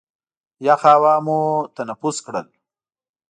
یخه هوا مو تنفس کړل.